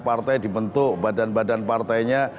partai dibentuk badan badan partainya